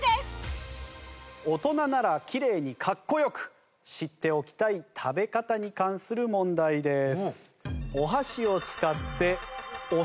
大人ならきれいにかっこよく知っておきたい食べ方に関する問題です。